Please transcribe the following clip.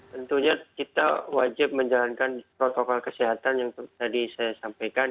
tentunya kita wajib menjalankan protokol kesehatan yang tadi saya sampaikan